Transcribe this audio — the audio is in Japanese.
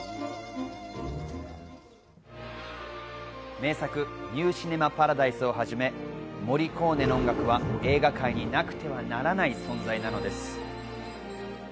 名作『ニュー・シネマ・パラダイス』をはじめ、モリコーネの音楽は映画界になくてはならない存在なのです。